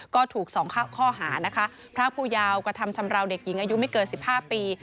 ก็ถูก๒ข้อหานะคะพรากผู้ยาวกระทำชำราวเด็กหญิงอายุไม่เกิน๑๕ปี